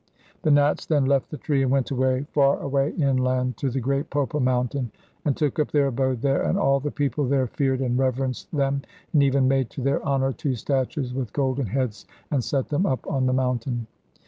The Nats then left the tree and went away, far away inland, to the great Popa Mountain, and took up their abode there, and all the people there feared and reverenced them, and even made to their honour two statues with golden heads and set them up on the mountain.